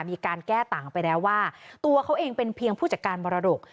มีการแก้ต่างไปแล้วว่าตัวเขาเองเป็นเพียงผู้จัดการมรดก